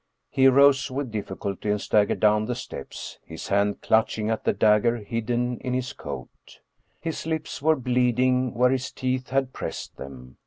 He arose with difficulty and staggered down the steps, his hand clutching at the dagger hidden in his coat. His lips were bleeding where his teeth had pressed them.